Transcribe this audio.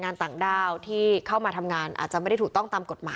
คนที่เข้ามาทำงานหรือไม่ถูกต้อง